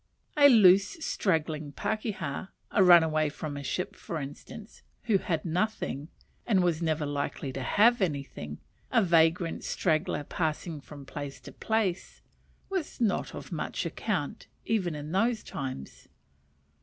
A loose straggling pakeha a runaway from a ship for instance, who had nothing, and was never likely to have anything a vagrant straggler passing from place to place, was not of much account, even in those times.